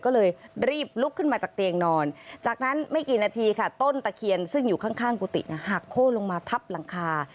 ก็เลยรีบลุกขึ้นมาจากเตียงนอนจากนั้นไม่กี่นาทีค่ะต้นตะเคียนซึ่งอยู่ข้างกุฏิหักโค้นลงมาทับหลังคา